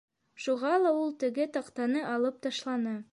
Шуға ла ул теге таҡтаны алып ташланы.